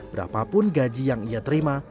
berapapun gaji yang ia terima